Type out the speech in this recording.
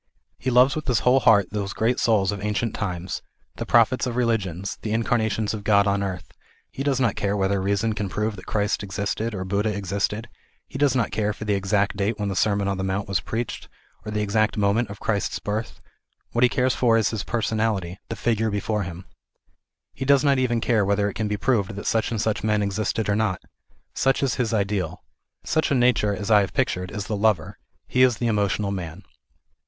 He loves with his whole heart those great souls of ancient times, the prophets of religions, the incar nations of God on earth ; he does not care whether rea son can prove that Christ existed, or Buddha existed ; he does not care for the exact date when the Sermon on the Mount was preached, or the exact moment of Christ's birth ; what he cares for is His personality, the figure be THE IDEAL OF A U┬źIVEKSAL RELIGION. 315 fore him. He does not even care whether it can be proved that such and such men existed or not. Such is his ideal. Such a nature as I have pictured, is the lover ; he i┬Ż the emotional man.